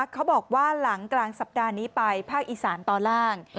เขาบอกว่าหลังกลางสัปดาห์นี้ไปภาคอีสานตอนล่าง